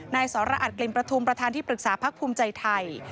สรอัตกลิ่นประทุมประธานที่ปรึกษาพักภูมิใจไทย